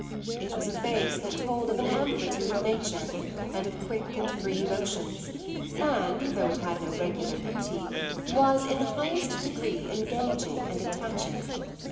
It was a face that told of an amplitude of nature and of quick and free motions and, though it had no regular beauty, was in the highest degree engaging and attaching.